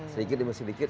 sedikit demi sedikit